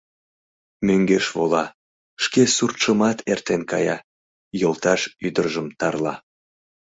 Мӧҥгеш вола, шке суртшымат эртен кая, йолташ ӱдыржым тарла.